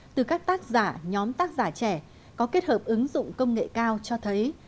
từ các tác giả nhóm tác giả trẻ có kết hợp ứng dụng công nghệ cao cho thấy